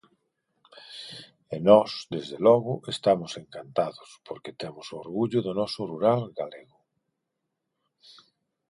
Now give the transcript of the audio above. E nós, desde logo, estamos encantados, porque temos o orgullo do noso rural galego.